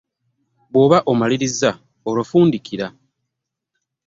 Bwoba ommalirizza olwo fundikira.